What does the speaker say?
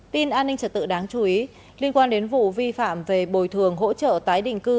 tin an ninh trật tự đáng chú ý liên quan đến vụ vi phạm về bồi thường hỗ trợ tái định cư